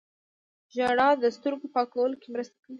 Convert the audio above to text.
ژړا د سترګو پاکولو کې مرسته کوي